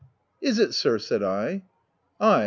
" Is it sir r said I. "Ay!